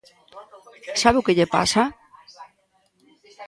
¿Sabe o que lle pasa?